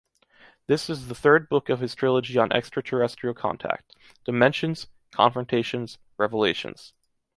This is the third book of his trilogy on extraterrestrial contact: “Dimensions”, “Confrontations”, “Revelations”.